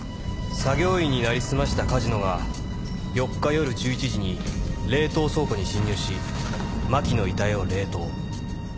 作業員になりすました梶野が４日夜１１時に冷凍倉庫に侵入し真輝の遺体を冷凍。